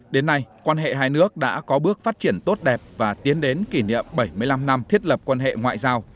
đến nay quan hệ hai nước đã có bước phát triển tốt đẹp và tiến đến kỷ niệm bảy mươi năm năm thiết lập quan hệ ngoại giao